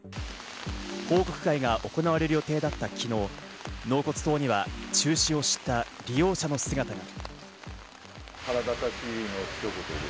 報告会が行われる予定だった昨日、納骨堂には中止を知った利用者の姿が。